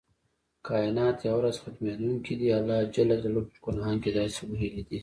کائنات یوه ورځ ختمیدونکي دي الله ج په قران کې داسې ویلي دی.